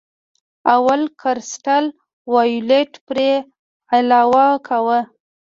اول کرسټل وایولېټ پرې علاوه کوو.